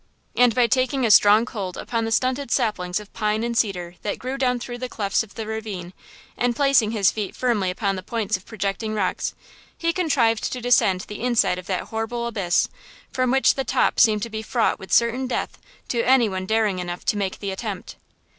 And by taking a strong hold upon the stunted saplings of pine and cedar that grew down through the clefts of the ravine, and placing his feet firmly upon the points of projecting rocks, he contrived to descend the inside of that horrible abyss, which from the top seemed to be fraught with certain death to any one daring enough to make the attempt.